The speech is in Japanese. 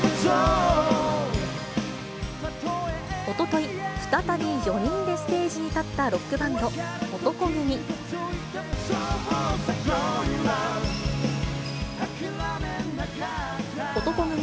おととい、再び４人でステージに立ったロックバンド、男闘呼組。